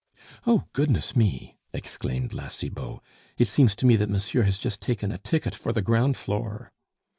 "Oh, goodness me!" exclaimed La Cibot; "it seems to me that monsieur has just taken a ticket for the ground floor."